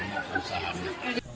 dan semua usahanya